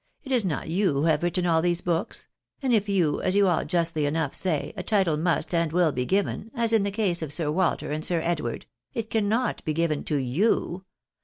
It is not you who have written aU these books ; and if, as you aU justly enough say, a title must and will be given, as in the case of Sir Walter and Sir Edward, it cannot be given to you.